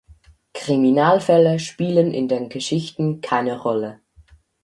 Kriminalfälle spielen in den Geschichten keine Rolle.